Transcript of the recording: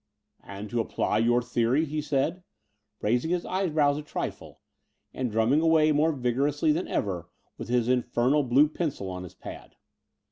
"And to apply your theory?" he said, raising his eyebrows a trifle, and drunmiing away more vigorously than ever with his infernal blue pencil on his pad.